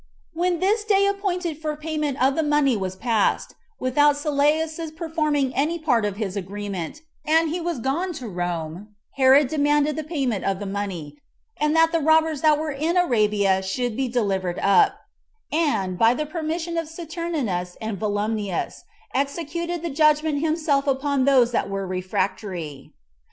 2. When this day appointed for payment of the money was past, without Sylleus's performing any part of his agreement, and he was gone to Rome, Herod demanded the payment of the money, and that the robbers that were in Arabia should be delivered up; and, by the permission of Saturninus and Volumnius, executed the judgment himself upon those that were refractory.